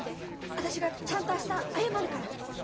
私がちゃんと明日謝るから。